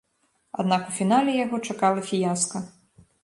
Аднак у фінале яго чакала фіяска.